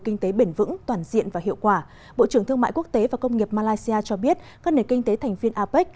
kinh tế bền vững toàn diện và hiệu quả bộ trưởng thương mại quốc tế và công nghiệp malaysia cho biết các nền kinh tế thành viên apec